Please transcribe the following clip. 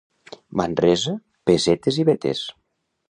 Manresa, pessetes i vetes.